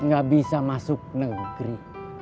gak bisa masuk negeri